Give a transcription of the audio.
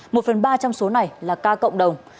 một phần ba trong số này là ca cộng đồng